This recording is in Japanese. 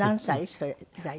それ大体。